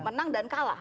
menang dan kalah